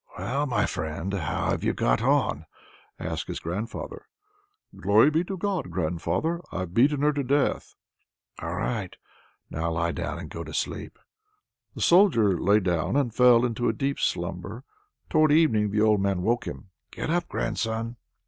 "Well, my friend! how have you got on?" asks his grandfather. "Glory be to God, grandfather! I've beaten her to death!" "All right! now lie down and go to sleep." The Soldier lay down and fell into a deep slumber. Towards evening the old man awoke him "Get up, grandson."